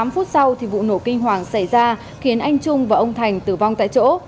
tám phút sau thì vụ nổ kinh hoàng xảy ra khiến anh trung và ông thành tử vong tại chỗ